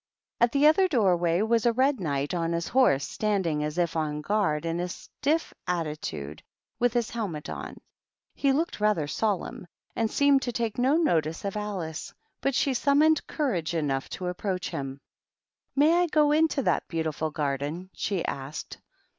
At the otlier door way was a Red Knight on his horse, standing, as if on guard, in a stiff attitude, with hia hel met on. He looked rather solemn, and seemed to take no notice of Alice, biit she summoned courage enough to approach him. "May I go into that beautiful garden?" Bhe asked.